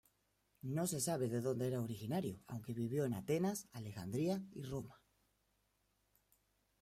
No se sabe de dónde era originario, aunque vivió en Atenas, Alejandría y Roma.